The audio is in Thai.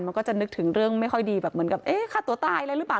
มันก็จะนึกถึงเรื่องไม่ค่อยดีแบบเหมือนกับเอ๊ะฆ่าตัวตายอะไรหรือเปล่า